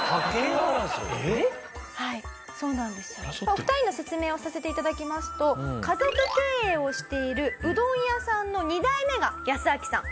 お二人の説明をさせて頂きますと家族経営をしているうどん屋さんの２代目がヤスアキさん